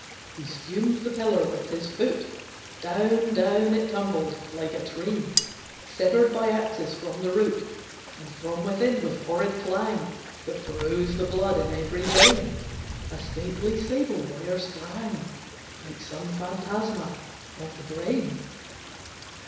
He spumed the pillar with his foot, Down, down it tumbled, like a tree Severed by axes from the root, And from within, with horrid clang That froze the blood in every vein, A stately sable warrior sprang, Like some phantasma of the brain.